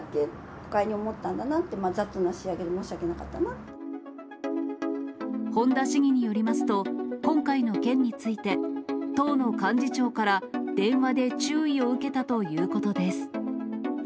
不快に思ったんだなって、本田市議によりますと、今回の件について、党の幹事長から、電話で注意を受けたということです。